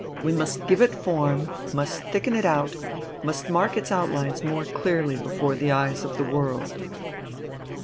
We must give it form, must thicken it out, must mark its outlines more clearly before the eyes of the world."